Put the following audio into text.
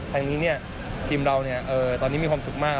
ทางนี้ทีมเราตอนนี้มีความสุขมาก